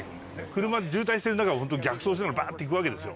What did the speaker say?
車渋滞してる中をホント逆走しながらバって行くわけです